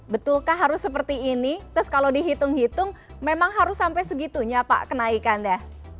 betulkah harus seperti ini terus kalau dihitung hitung memang harus sampai segitunya pak kenaikannya